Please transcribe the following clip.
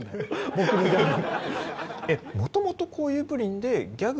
僕のギャグ。